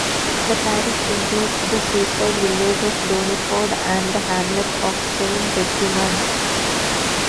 The parish includes the seaside village of Doniford and the hamlet of Saint Decumans.